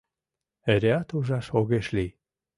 Эреат ужаш огеш лий.